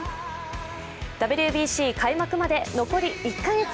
ＷＢＣ開幕まで残り１か月。